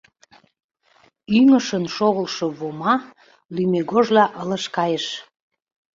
Ӱҥышын шогылтшо Вома лӱмегожла ылыж кайыш.